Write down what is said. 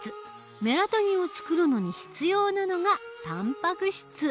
メラトニンをつくるのに必要なのがたんぱく質。